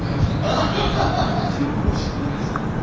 うちのこと知ってました？